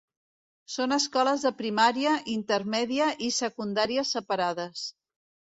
Son escoles de primària, intermèdia i secundària separades.